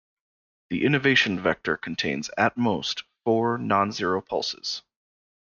The innovation vector contains, at most, four non-zero pulses.